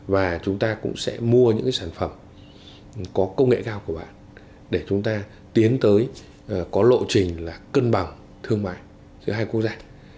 và chúng ta cũng sẽ mua những sản phẩm có công nghệ cao của bạn để chúng ta tiến tới có lộ trình là cân bằng thương mại giữa hai quốc gia